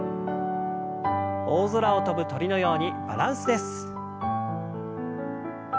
大空を飛ぶ鳥のようにバランスです。